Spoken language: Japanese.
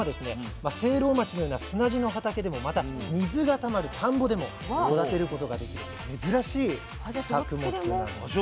聖籠町のような砂地の畑でもまた水がたまる田んぼでも育てることができる珍しい作物なんです。